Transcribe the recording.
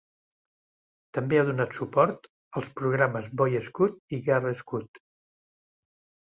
També ha donat suport als programes Boy Scout i Girl Scout.